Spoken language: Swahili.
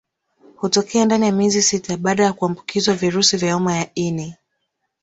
Hutokea ndani ya miezi sita baada kuambukizwa virusi vya homa ya ini